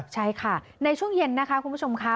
ใช่ค่ะในช่วงเย็นนะคะคุณผู้ชมค่ะ